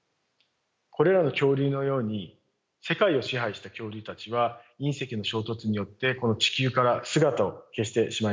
これらの恐竜のように世界を支配した恐竜たちは隕石の衝突によってこの地球から姿を消してしまいました。